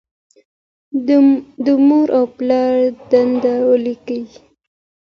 د مور او پلار دندې ولیکئ.